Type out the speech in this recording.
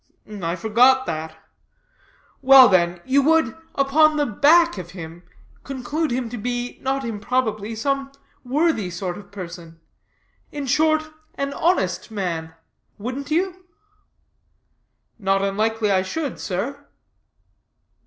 "I forgot that. Well then, you would, upon the back of him, conclude him to be, not improbably, some worthy sort of person; in short, an honest man: wouldn't you?" "Not unlikely I should, sir."